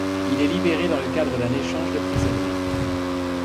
Il est libéré dans le cadre d'un échange de prisonniers.